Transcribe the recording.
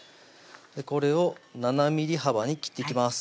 これを７ｍｍ幅に切っていきます